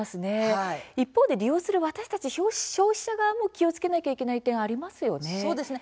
利用する私たち消費者側も気をつけなければいけない点がありますよね。